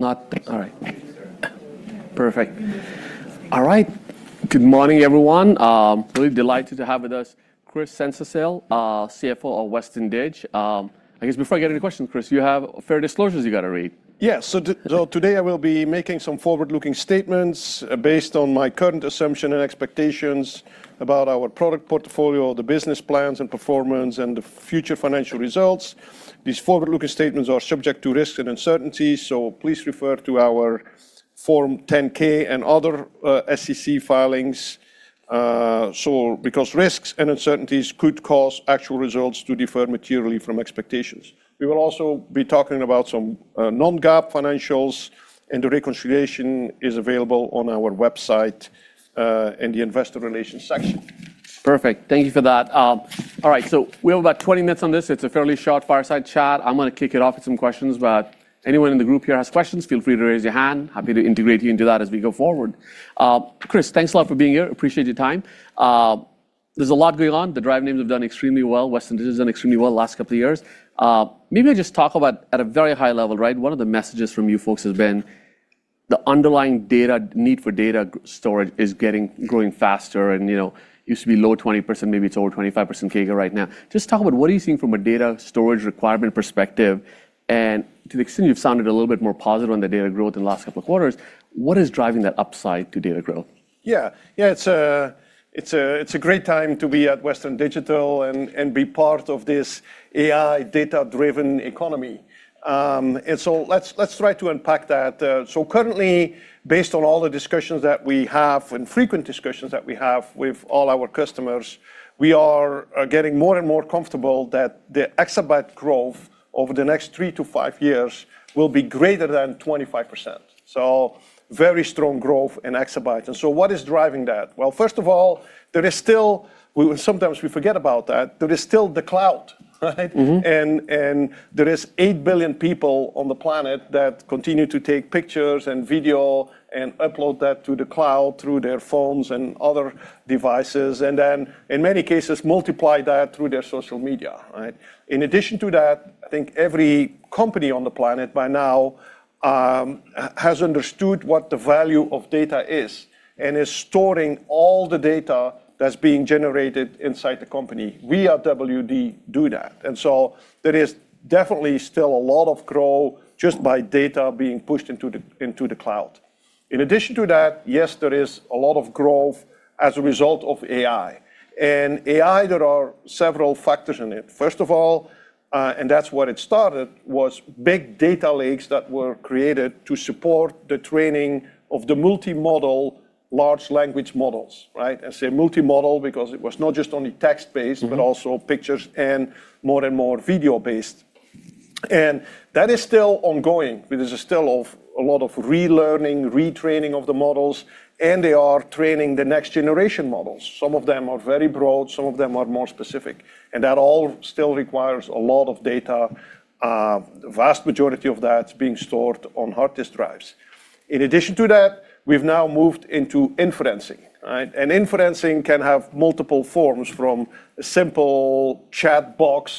All right. Perfect. All right. Good morning, everyone. I'm really delighted to have with us Kris Sennesael, CFO of Western Digital. I guess before I get any questions, Kris, you have fair disclosures you got to read. Yes. Today I will be making some forward-looking statements based on my current assumption and expectations about our product portfolio, the business plans and performance, and the future financial results. These forward-looking statements are subject to risks and uncertainties, so please refer to our Form 10-K and other SEC filings, because risks and uncertainties could cause actual results to differ materially from expectations. We will also be talking about some non-GAAP financials, and the reconciliation is available on our website, in the investor relations section. Perfect. Thank you for that. All right, we have about 20 minutes on this. It's a fairly short fireside chat. I'm going to kick it off with some questions, anyone in the group here has questions, feel free to raise your hand. Happy to integrate you into that as we go forward. Kris, thanks a lot for being here. Appreciate your time. There's a lot going on. The drive names have done extremely well. Western Digital has done extremely well the last couple of years. Maybe just talk about, at a very high level, one of the messages from you folks has been the underlying need for data storage is growing faster and used to be low 20%, maybe it's over 25% CAGR right now. Just talk about what are you seeing from a data storage requirement perspective, and to the extent you've sounded a little bit more positive on the data growth in the last couple of quarters, what is driving that upside to data growth? Yeah. It's a great time to be at Western Digital and be part of this AI data-driven economy. Let's try to unpack that. Currently, based on all the discussions that we have, and frequent discussions that we have with all our customers, we are getting more and more comfortable that the exabyte growth over the next three to five years will be greater than 25%. Very strong growth in exabytes. What is driving that? Well, first of all, there is still, sometimes we forget about that, there is still the cloud, right? There is 8 billion people on the planet that continue to take pictures and video and upload that to the cloud through their phones and other devices. Then in many cases, multiply that through their social media, right? In addition to that, I think every company on the planet by now has understood what the value of data is and is storing all the data that's being generated inside the company. We at WD do that. There is definitely still a lot of growth just by data being pushed into the cloud. In addition to that, yes, there is a lot of growth as a result of AI. AI, there are several factors in it. First of all, and that's what it started, was big data lakes that were created to support the training of the multimodal large language models, right? I say multimodal because it was not just only text-based. Also pictures and more and more video-based. That is still ongoing. There is still a lot of relearning, retraining of the models, and they are training the next generation models. Some of them are very broad, some of them are more specific, and that all still requires a lot of data. Vast majority of that's being stored on Hard Disk Drives. In addition to that, we've now moved into inferencing, right? Inferencing can have multiple forms, from simple chatbot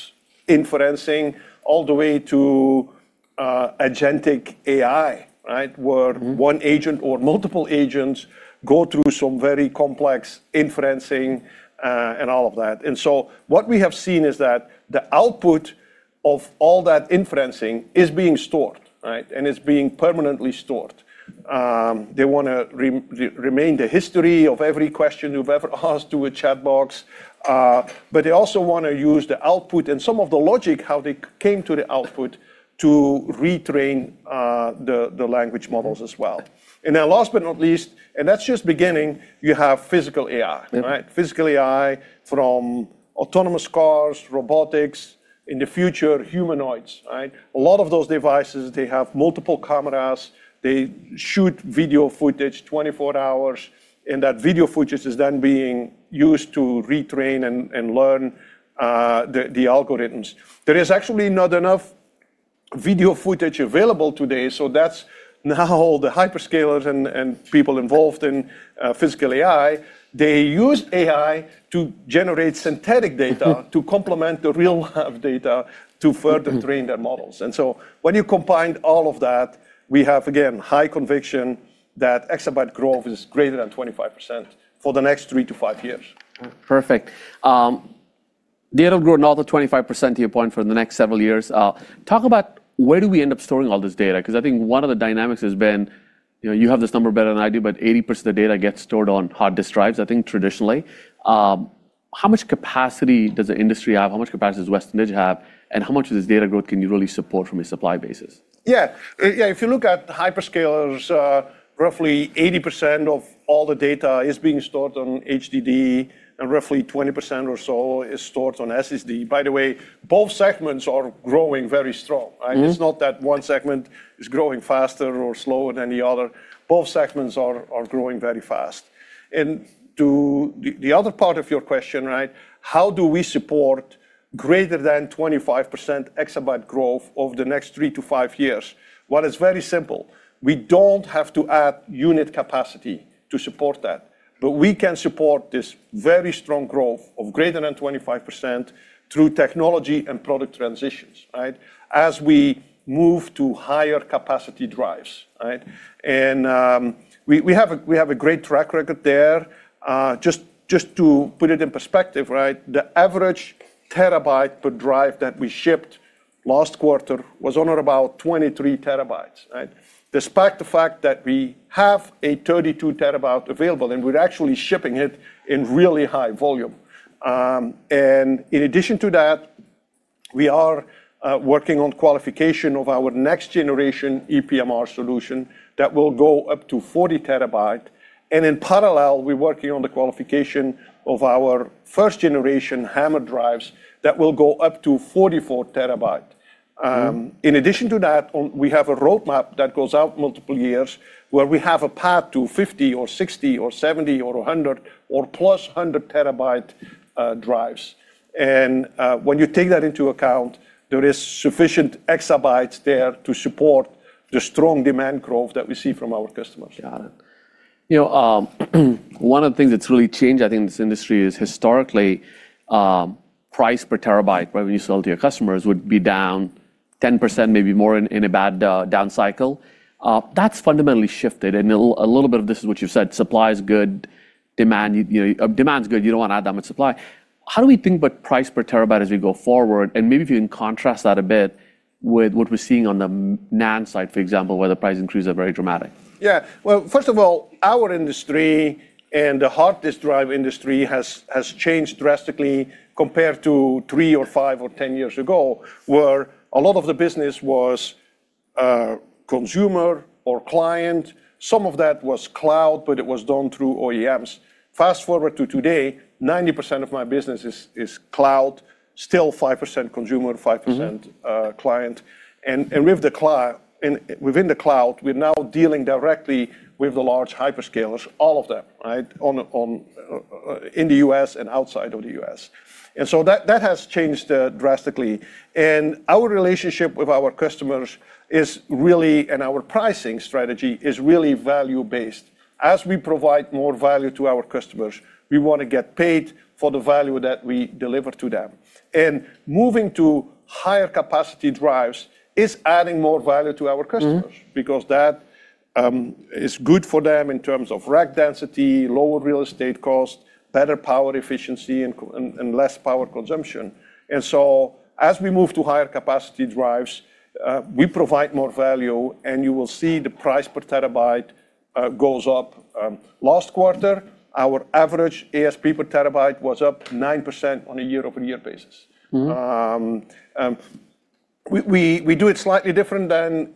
inferencing all the way to agentic AI, right? Where one agent or multiple agents go through some very complex inferencing, and all of that. What we have seen is that the output of all that inferencing is being stored, right? It's being permanently stored. They want to remain the history of every question you've ever asked to a chatbot. They also want to use the output and some of the logic, how they came to the output, to retrain the language models as well. Now, last but not least, and that's just beginning, you have physical AI. Right? physical AI from autonomous cars, robotics. In the future, humanoids, right? A lot of those devices, they have multiple cameras. They shoot video footage 24 hours. That video footage is then being used to retrain and learn the algorithms. There is actually not enough video footage available today. That's now the hyperscalers and people involved in physical AI, they use AI to generate synthetic data to complement the real data to further train their models. When you combine all of that, we have, again, high conviction that exabyte growth is greater than 25% for the next three to five years. Perfect. Data growth north of 25%, to your point, for the next several years. Talk about where do we end up storing all this data, because I think one of the dynamics has been you have this number better than I do, but 80% of the data gets stored on hard disk drives, I think traditionally. How much capacity does the industry have, how much capacity does Western Digital have, and how much of this data growth can you really support from a supply basis? Yeah. If you look at hyperscalers, roughly 80% of all the data is being stored on HDD and roughly 20% or so is stored on SSD. By the way, both segments are growing very strong, right? It's not that one segment is growing faster or slower than the other. Both segments are growing very fast. To the other part of your question, how do we support greater than 25% exabyte growth over the next three to five years? Well, it's very simple. We don't have to add unit capacity to support that. We can support this very strong growth of greater than 25% through technology and product transitions as we move to higher capacity drives. We have a great track record there. Just to put it in perspective, the average terabyte per drive that we shipped last quarter was only about 23 terabytes. Despite the fact that we have a 32 terabyte available, and we're actually shipping it in really high volume. In addition to that, we are working on qualification of our next generation ePMR solution that will go up to 40 terabyte. In parallel, we're working on the qualification of our first generation HAMR drives that will go up to 44 terabyte. In addition to that, we have a roadmap that goes out multiple years, where we have a path to 50 terabyte or 60 terabyte or 70 terabyte or 100 or 100+ terabyte drives. When you take that into account, there is sufficient exabytes there to support the strong demand growth that we see from our customers. Got it. One of the things that's really changed, I think, in this industry is historically, price per terabyte, when you sell to your customers, would be down 10%, maybe more in a bad down cycle. That's fundamentally shifted, and a little bit of this is what you said, supply is good, demand's good. You don't want to add that much supply. How do we think about price per terabyte as we go forward? Maybe if you can contrast that a bit with what we're seeing on the NAND side, for example, where the price increases are very dramatic. Well, first of all, our industry and the hard disk drive industry has changed drastically compared to three or five or 10 years ago, where a lot of the business was consumer or client. Some of that was cloud, but it was done through OEMs. Fast-forward to today, 90% of my business is cloud, still 5% consumer, 5% client. Within the cloud, we're now dealing directly with the large hyperscalers, all of them, in the U.S. and outside of the U.S. That has changed drastically. Our relationship with our customers and our pricing strategy is really value-based. As we provide more value to our customers, we want to get paid for the value that we deliver to them. Moving to higher capacity drives is adding more value to our customers, because that is good for them in terms of rack density, lower real estate cost, better power efficiency, and less power consumption. As we move to higher capacity drives, we provide more value, and you will see the price per terabyte goes up. Last quarter, our average ASP per terabyte was up 9% on a year-over-year basis. We do it slightly different than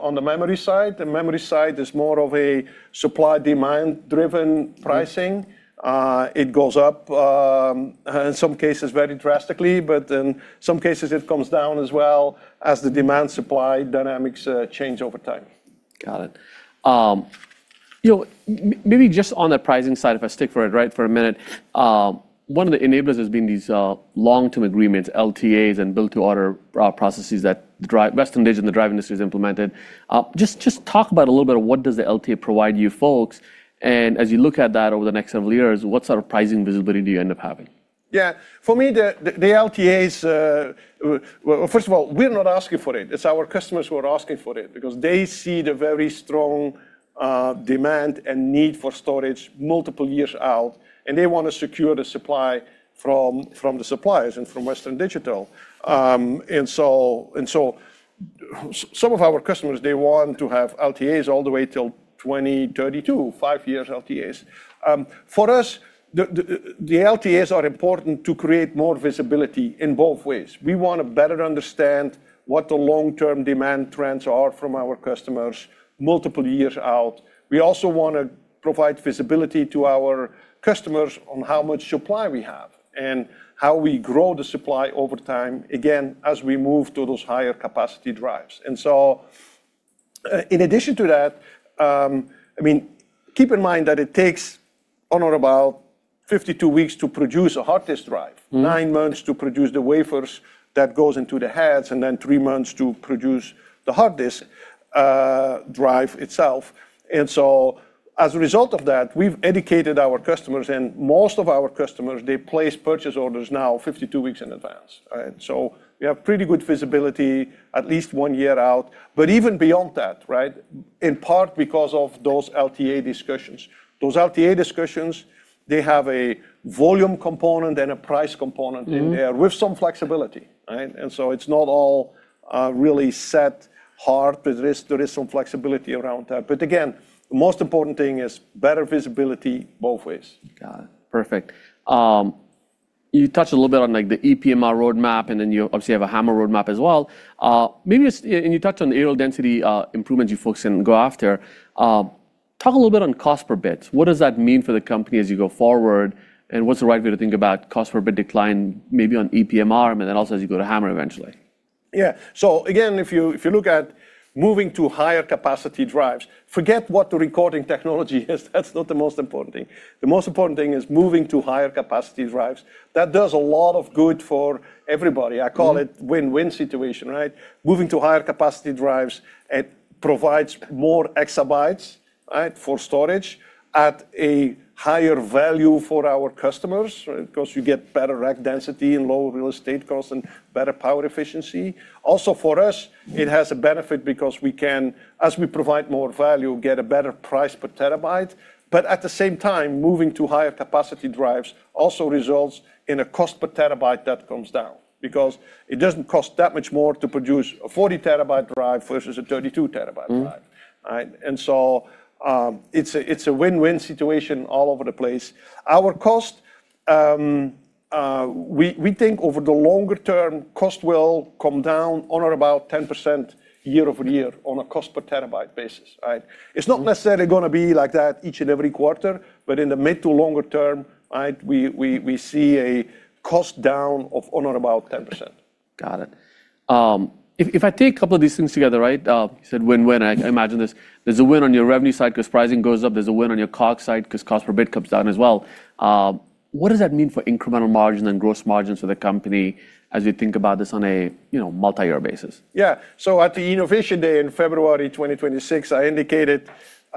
on the memory side. The memory side is more of a supply/demand-driven pricing. It goes up, in some cases very drastically, but in some cases, it comes down as well as the demand/supply dynamics change over time. Got it. Maybe just on the pricing side, if I stick for it, for a minute, one of the enablers has been these long-term agreements, LTAs, and build-to-order processes that Western Digital and the drive industry has implemented. Just talk about a little bit of what does the LTA provide you folks, and as you look at that over the next several years, what sort of pricing visibility do you end up having? For me, the LTAs, first of all, we're not asking for it. It's our customers who are asking for it because they see the very strong demand and need for storage multiple years out, and they want to secure the supply from the suppliers and from Western Digital. Some of our customers, they want to have LTAs all the way till 2032, five years LTAs. For us, the LTAs are important to create more visibility in both ways. We want to better understand what the long-term demand trends are from our customers multiple years out. We also want to provide visibility to our customers on how much supply we have and how we grow the supply over time, again, as we move to those higher capacity drives. In addition to that, keep in mind that it takes on or about 52 weeks to produce a Hard Disk Drive. 9 months to produce the wafers that goes into the heads, and then 3 months to produce the hard disk drive itself. As a result of that, we've educated our customers, and most of our customers, they place purchase orders now 52 weeks in advance. We have pretty good visibility at least one year out. Even beyond that, in part because of those LTA discussions. Those LTA discussions, they have a volume component and a price component in there with some flexibility. It's not all really set hard. There is some flexibility around that. Again, the most important thing is better visibility both ways. Got it. Perfect. You touched a little bit on the ePMR roadmap, you obviously have a HAMR roadmap as well. You touched on the areal density improvements you folks can go after. Talk a little bit on cost per bit. What does that mean for the company as you go forward, and what's the right way to think about cost per bit decline, maybe on ePMR, and then also as you go to HAMR eventually? Again, if you look at moving to higher capacity drives, forget what the recording technology is. That's not the most important thing. The most important thing is moving to higher capacity drives. That does a lot of good for everybody. I call it win-win situation, right? Moving to higher capacity drives, it provides more exabytes, right, for storage at a higher value for our customers, right, because you get better rack density and lower real estate cost and better power efficiency. Also, for us, it has a benefit because we can, as we provide more value, get a better price per terabyte. At the same time, moving to higher capacity drives also results in a cost per terabyte that comes down, because it doesn't cost that much more to produce a 40 terabyte drive versus a 32 terabyte drive. Right? It's a win-win situation all over the place. Our cost, we think over the longer term, cost will come down on or about 10% year-over-year on a cost per terabyte basis. Right. It's not necessarily going to be like that each and every quarter, but in the mid to longer term, right, we see a cost down of on or about 10%. Got it. If I take a couple of these things together, right? You said win-win. I imagine there's a win on your revenue side because pricing goes up. There's a win on your COGS side because cost per bit comes down as well. What does that mean for incremental margin and gross margins for the company as we think about this on a multi-year basis? At the Innovation Day in February 2026, I indicated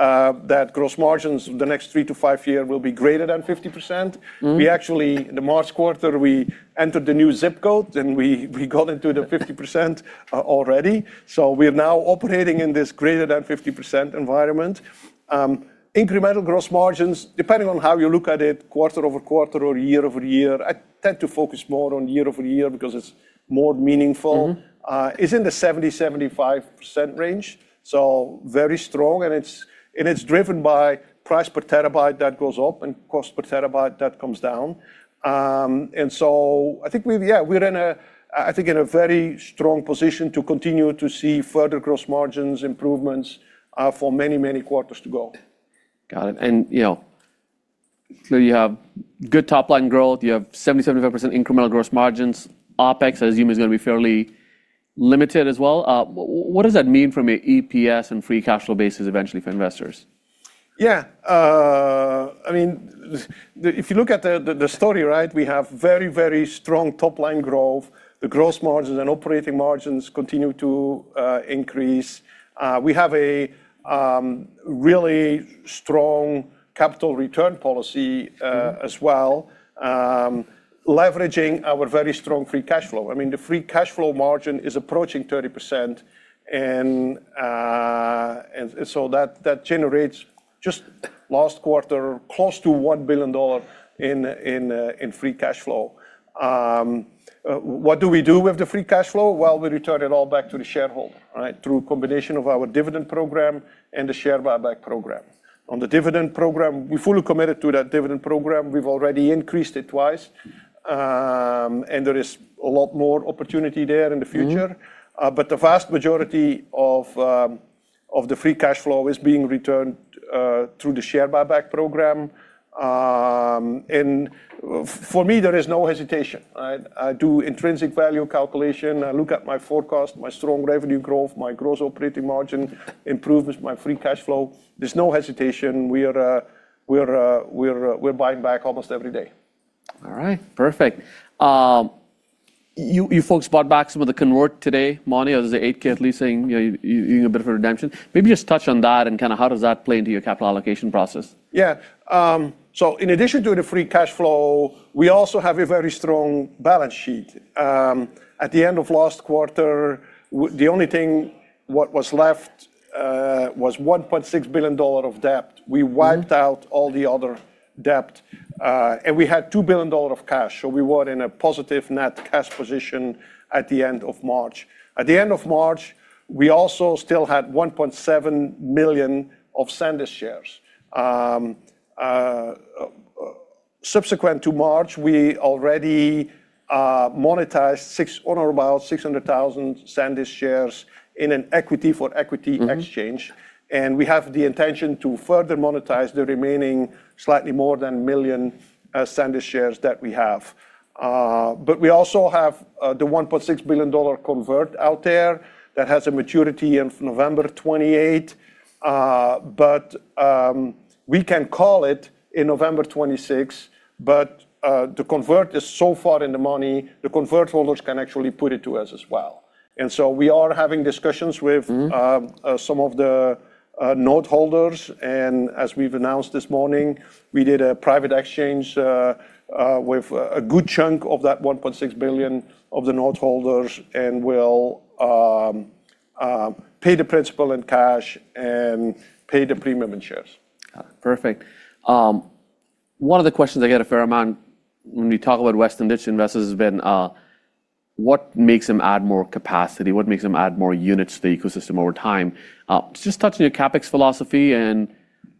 that gross margins over the next three to five years will be greater than 50%. We actually, in the March quarter, we entered the new ZIP code. We got into the 50% already. We are now operating in this greater than 50% environment. Incremental gross margins, depending on how you look at it, quarter-over-quarter or year-over-year, I tend to focus more on year-over-year because it's more meaningful. It's in the 70%-75% range. Very strong, and it's driven by price per terabyte that goes up and cost per terabyte that comes down. I think we're in a very strong position to continue to see further gross margins improvements for many, many quarters to go. Got it. You have good top-line growth. You have 70%, 75% incremental gross margins. OpEx, I assume, is going to be fairly limited as well. What does that mean from a EPS and free cash flow basis eventually for investors? Yeah. If you look at the story, right, we have very, very strong top-line growth. The gross margins and operating margins continue to increase. We have a really strong capital return policy as well. Leveraging our very strong free cash flow. The free cash flow margin is approaching 30%, that generates just last quarter, close to $1 billion in free cash flow. What do we do with the free cash flow? Well, we return it all back to the shareholder, right, through combination of our dividend program and the share buyback program. On the dividend program, we fully committed to that dividend program. We've already increased it twice. There is a lot more opportunity there in the future. The vast majority of the free cash flow is being returned through the share buyback program. For me, there is no hesitation. Right. I do intrinsic value calculation. I look at my forecast, my strong revenue growth, my gross operating margin improvements, my free cash flow. There's no hesitation. We're buying back almost every day. Perfect. You folks bought back some of the convert today, morning, as the 8-K at least saying, you're a bit of a redemption. Maybe just touch on that and kind of how does that play into your capital allocation process? Yeah. In addition to the free cash flow, we also have a very strong balance sheet. At the end of last quarter, the only thing what was left was $1.6 billion of debt. We wiped out all the other debt. We had $2 billion of cash. We were in a positive net cash position at the end of March. At the end of March, we also still had $1.7 million of SanDisk shares. Subsequent to March, we already monetized on or about 600,000 SanDisk shares in an equity for equity exchange. We have the intention to further monetize the remaining slightly more than 1 million SanDisk shares that we have. We also have the $1.6 billion convertible out there that has a maturity in November 2028. We can call it in November 2026. The convertible is so far in the money, the convertible holders can actually put it to us as well. We are having discussions with some of the note holders, and as we've announced this morning, we did a private exchange with a good chunk of that $1.6 billion of the note holders, and we'll pay the principal in cash and pay the premium in shares. Got it. Perfect. One of the questions I get a fair amount when we talk about Western Digital investors has been what makes them add more capacity? What makes them add more units to the ecosystem over time? Just touch on your CapEx philosophy and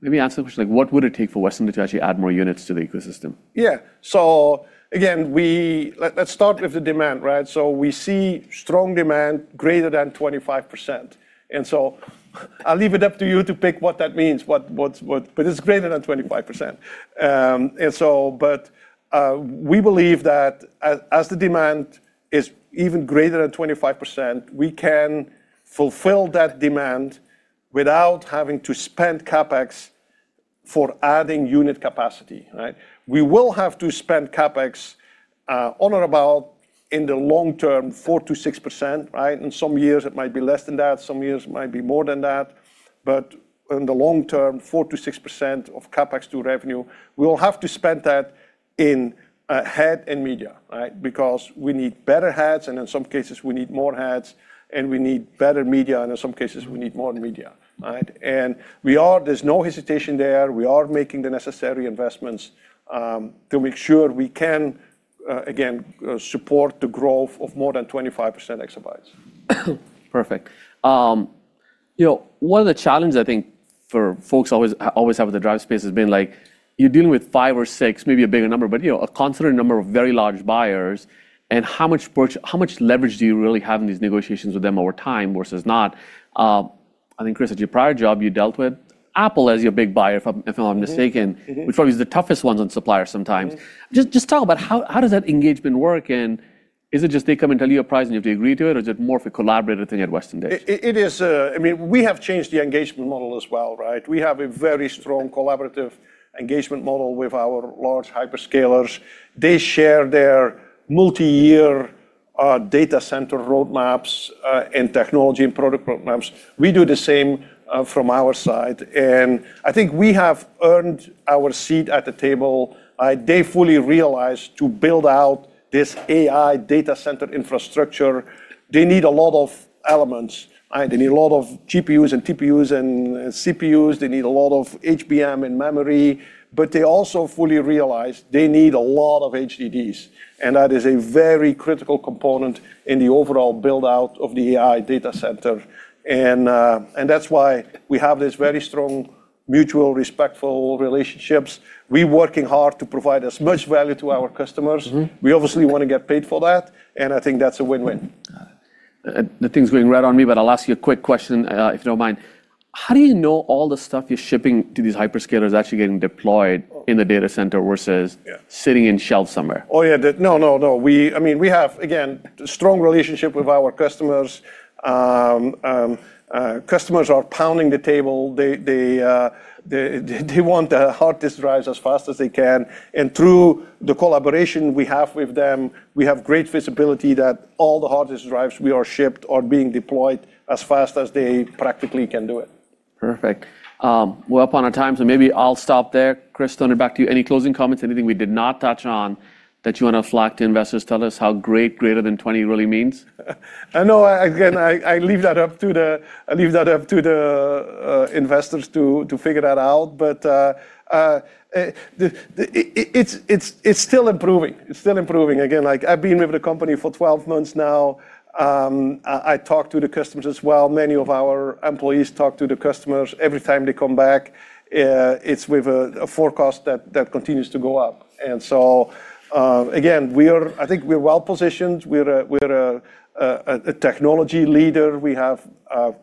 maybe answer the question, what would it take for Western Digital to actually add more units to the ecosystem? Let's start with the demand, right? We see strong demand greater than 25%. I'll leave it up to you to pick what that means. It's greater than 25%. We believe that as the demand is even greater than 25%, we can fulfill that demand without having to spend CapEx for adding unit capacity, right? We will have to spend CapEx on or about, in the long term, 4%-6%, right? In some years, it might be less than that. Some years it might be more than that. In the long term, 4%-6% of CapEx to revenue, we will have to spend that in head and media, right? Because we need better heads, and in some cases, we need more heads, and we need better media, and in some cases, we need more media, right? There's no hesitation there. We are making the necessary investments to make sure we can, again, support the growth of more than 25% exabytes. Perfect. One of the challenges I think for folks always have with the drive space has been you're dealing with five or six, maybe a bigger number, but a considerate number of very large buyers, and how much leverage do you really have in these negotiations with them over time versus not? I think, Kris, at your prior job, you dealt with Apple as your big buyer, if I'm not mistaken. Which probably is the toughest ones on suppliers sometimes. Right. Just talk about how does that engagement work, and is it just they come and tell you a price, and you have to agree to it, or is it more of a collaborative thing at Western Digital? We have changed the engagement model as well, right? We have a very strong collaborative engagement model with our large hyperscalers. They share their multi-year data center roadmaps and technology and product roadmaps. We do the same from our side. I think we have earned our seat at the table. They fully realize, to build out this AI data center infrastructure, they need a lot of elements. They need a lot of GPUs and TPUs and CPUs. They need a lot of HBM and memory. They also fully realize they need a lot of HDDs, and that is a very critical component in the overall build-out of the AI data center, and that's why we have these very strong, mutual, respectful relationships. We're working hard to provide as much value to our customers. We obviously want to get paid for that. I think that's a win-win. The thing's going red on me, but I'll ask you a quick question, if you don't mind. How do you know all the stuff you're shipping to these hyperscalers is actually getting deployed in the data center versus. Yeah Sitting in shelves somewhere? Oh, yeah. No, no. We have, again, a strong relationship with our customers. Customers are pounding the table. They want the hard disk drives as fast as they can. Through the collaboration we have with them, we have great visibility that all the hard disk drives we are shipped are being deployed as fast as they practically can do it. Perfect. We're up on our time, so maybe I'll stop there. Kris, turning it back to you. Any closing comments, anything we did not touch on that you want to flag to investors? Tell us how greater than 20% really means. No, I leave that up to the investors to figure that out. It's still improving. It's still improving. I've been with the company for 12 months now. I talk to the customers as well. Many of our employees talk to the customers. Every time they come back, it's with a forecast that continues to go up. I think we're well-positioned. We're a technology leader. We have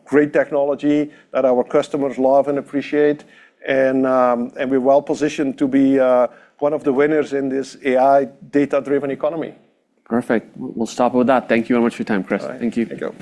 great technology that our customers love and appreciate. We're well-positioned to be one of the winners in this AI data-driven economy. Perfect. We'll stop with that. Thank you very much for your time, Kris. All right. Thank you.